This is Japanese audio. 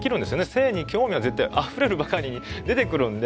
性に興味が絶対あふれるばかりに出てくるんで。